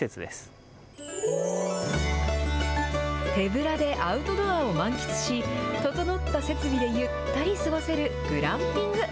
手ぶらでアウトドアを満喫し、整った設備でゆったり過ごせるグランピング。